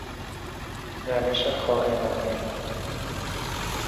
روش خائنانه